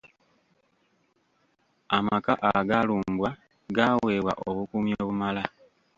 Amaka agaalumbwa gaaweebwa obukuumi obumala.